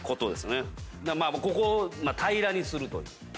ここを平らにするという。